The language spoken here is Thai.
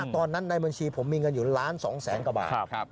ในบัญชีผมมีเงินอยู่ล้าน๒แสนกว่าบาท